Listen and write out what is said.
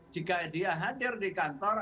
jika dia hadir di kantor